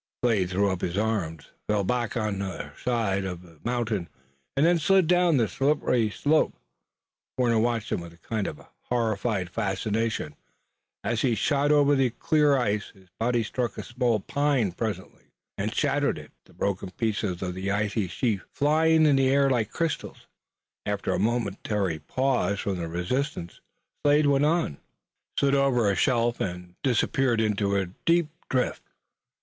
Slade threw up his arms, fell back on their side of the mountain and then slid down the slippery slope. Warner watched him with a kind of horrified fascination as he shot over the clear ice. His body struck a small pine presently and shattered it, the broken pieces of the icy sheath flying in the air like crystals. After a momentary pause from the resistance Slade went on, slid over a shelf, and disappeared in a deep drift.